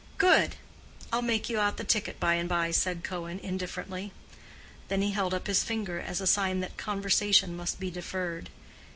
"Good. I'll make you out the ticket by and by," said Cohen, indifferently. Then he held up his finger as a sign that conversation must be deferred.